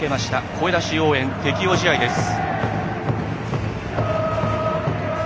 声出し応援適用試合です。